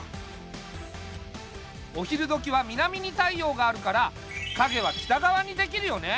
お昼どきは南に太陽があるからかげは北がわにできるよね。